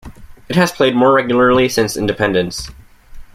It has played more regularly since independence.